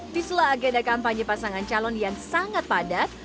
di sela agenda kampanye pasangan calon yang sangat padat